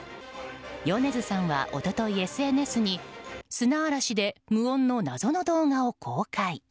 米津さんは、一昨日ＳＮＳに砂嵐で無音の謎の動画を公開。